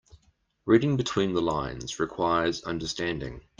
Reading between the lines requires understanding.